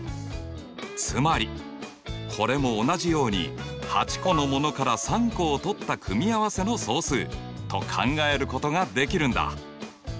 つまりこれも同じように８個のものから３個をとった組合せの総数と考えることができるんだ。